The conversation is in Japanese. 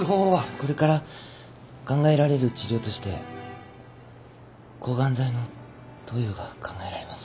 これから考えられる治療として抗ガン剤の投与が考えられます。